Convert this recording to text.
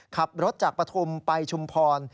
ขับรถจากปฐุมไปชุมพร